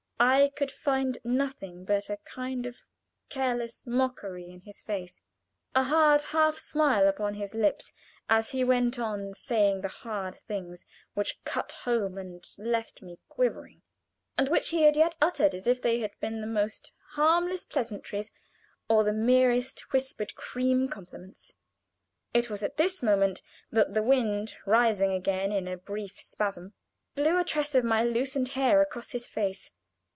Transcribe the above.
I could find nothing but a kind of careless mockery in his face a hard half smile upon his lips as he went on saying the hard things which cut home and left me quivering, and which he yet uttered as if they had been the most harmless pleasantries or the merest whipped cream compliments. It was at this moment that the wind, rising again in a brief spasm, blew a tress of my loosened hair across his face.